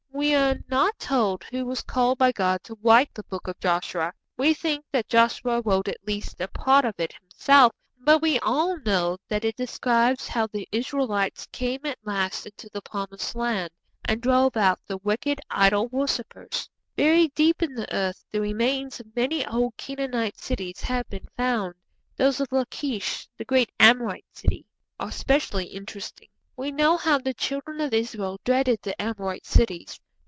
We are not told who was called by God to write the Book of Joshua; we think that Joshua wrote at least a part of it himself, but we all know that it describes how the Israelites came at last into the Promised Land, and drove out the wicked idol worshippers. Buried deep in the earth the remains of many old Canaanite cities have been found. Those of Lachish, the great Amorite city, are specially interesting. We know how the Children of Israel dreaded the Amorite cities.